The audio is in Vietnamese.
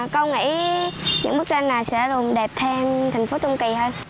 công nghĩ những bức tranh này sẽ đều đẹp thêm thành phố tam kỳ hơn